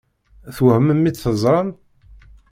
Twehmem mi tt-teẓṛam?